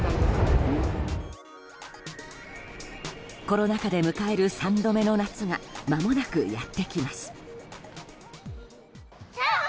コロナ禍で迎える３度目の夏がまもなくやってきます。